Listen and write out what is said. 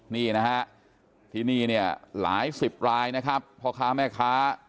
นี่นะฮะที่นี่เนี่ยหลายสิบรายนะครับพ่อค้าแม่ค้า